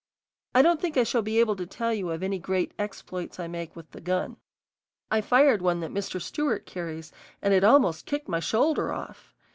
I don't think I shall be able to tell you of any great exploits I make with the gun. I fired one that Mr. Stewart carries, and it almost kicked my shoulder off.